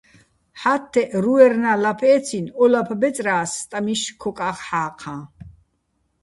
ჰ̦ა́თთეჸ რუერნა́ ლაფ ე́ცინო̆ ო ლაფ ბეწრა́ს სტამიშ ქოკა́ხ ჰ̦ა́ჴაჼ.